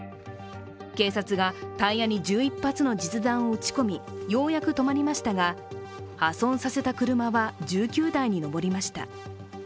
警察が、タイヤに１１発の実弾を撃ち込み、ようやく止まりましたが破損させた車は１９台に上りました。